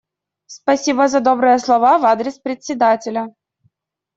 Спасибо за добрые слова в адрес Председателя.